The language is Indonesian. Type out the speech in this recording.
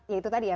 ya itu tadi ya